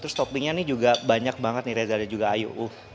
terus toppingnya nih juga banyak banget nih reza dan juga ayu